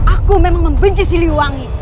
aku memang membenci siluangnya